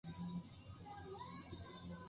興味深い内容だね